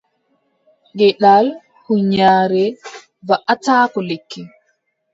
Geɗal hunyaare waʼataako lekki.